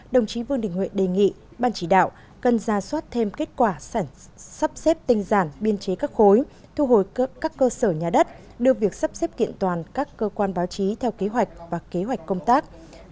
đồng chí vương đình huệ đề nghị ban chỉ đạo cần ra soát thêm kết quả sắp xếp tinh giản biên chế các khối thu hồi các cơ sở nhà đất đưa việc sắp xếp kiện toàn các cơ quan báo chí theo kế hoạch và kế hoạch công tác